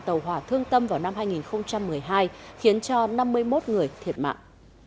tàu hỏa thương tâm vào năm hai nghìn một mươi hai khiến cho năm mươi một người thiệt mạng